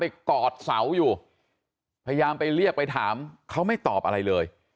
กอดเสาอยู่พยายามไปเรียกไปถามเขาไม่ตอบอะไรเลย